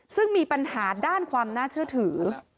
ซึ่งมีปัญหาด้านความน่าเชื่อถือ